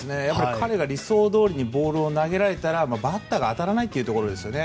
彼が理想どおりにボールを投げられたら、バッターが当たらないということですね。